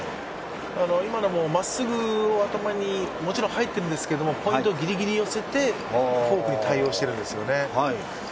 今のもまっすぐを頭にもちろん入ってるんですけど、ポイントぎりぎり寄せて、フォークに対応してるんですよね。